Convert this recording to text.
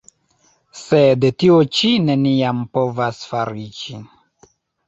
Sed tio ĉi neniam povas fariĝi!